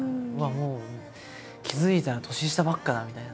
気付いたら年下ばっかだみたいな。